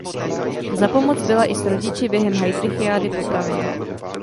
Za pomoc byla i s rodiči během heydrichiády popravena.